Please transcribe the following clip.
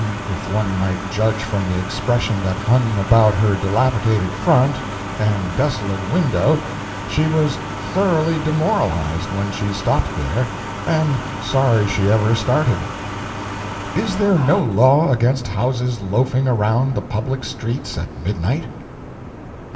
If one might judge from the expression that hung about her dilapidated front and desolate window, she was thoroughly demoralized when she stopped there, and sorry she ever started. Is there no law against houses loafing around the public streets at midnight?